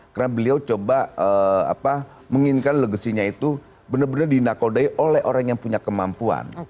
karena beliau coba menginginkan legasinya itu benar benar dinakodai oleh orang yang punya kemampuan